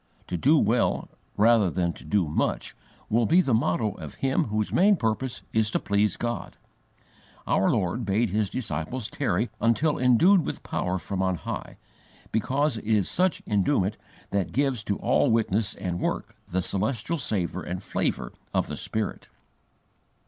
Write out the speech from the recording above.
To do well, rather than to do much, will be the motto of him whose main purpose is to please God. Our Lord bade His disciples tarry until endued with power from on high, because it is such enduement that gives to all witness and work the celestial savour and flavour of the Spirit.